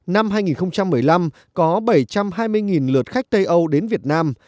năm hai nghìn một mươi năm có bảy trăm hai mươi lượt khách tây âu đến việt nam